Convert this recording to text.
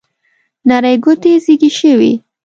نرۍ ګوتې زیږې شوې